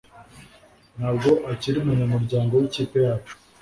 Ntabwo akiri umunyamuryango w'ikipe yacu.